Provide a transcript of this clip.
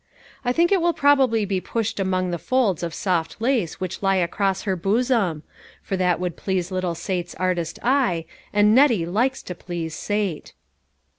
I think it will probably be pushed among the folds of soft lace which lie across her bosom ; for that would please little Sate's artist eye, and Nettie likes to please Sate.